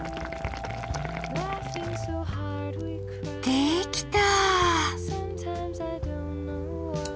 できた！